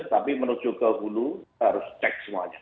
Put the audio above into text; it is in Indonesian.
tapi menuju ke hulu harus cek semuanya